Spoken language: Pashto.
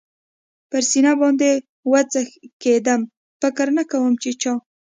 پر سینه باندې و څکېدم، فکر نه کوم چې چا.